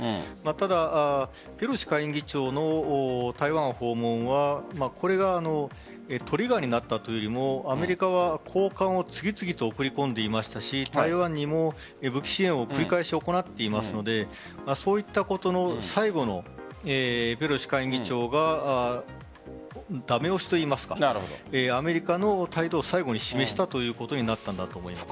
ただペロシ下院議長の台湾訪問はこれがトリガーになったというよりアメリカは高官を次々と送り込んでいましたし台湾にも武器支援を繰り返し行っていますのでそういったことの最後のペロシ下院議長は駄目押しといいますかアメリカの態度を最後に示したということになったと思います。